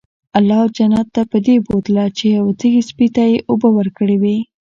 الله جنت ته پدې بوتله چې يو تږي سپي ته ئي اوبه ورکړي وي